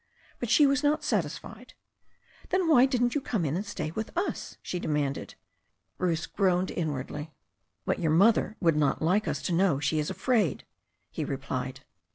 But she was not satisfied. "^ "Then why didn't you come in and stay with us?" she demanded. Bruce groaned inwardly. "But your mother would not like us to know she is afraid," he replied.